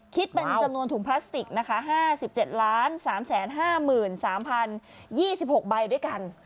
คิดเป็นจำนวนถุงพลาสติกนะคะ๕๗๓๕๓๐๒๖ใบด้วยกัน